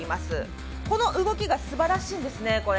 この動きがすばらしいんですね。